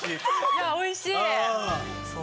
いやおいしい。